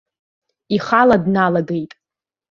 Ихала дналагеит.